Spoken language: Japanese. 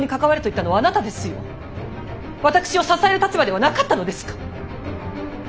私を支える立場ではなかったのですか。